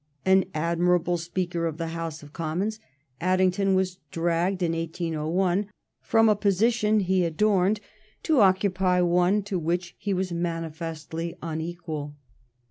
An admirable Speaker of the House of Commons Addington was dragged in 1801 from a position he adorned to occupy one to which he was manifestly unequal.